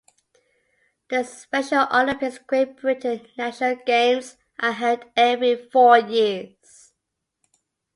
The Special Olympics Great Britain National Games are held every four years.